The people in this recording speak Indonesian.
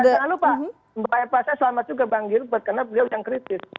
jangan lupa mbak eva saya selamat juga bang gilbert karena beliau yang kritis